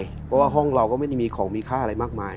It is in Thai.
เพราะว่าห้องเราก็ไม่ได้มีของมีค่าอะไรมากมาย